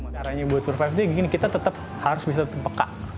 caranya buat survive itu begini kita tetap harus bisa peka